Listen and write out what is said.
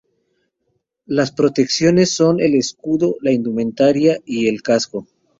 Las protecciones son el escudo, la indumentaria y el casco.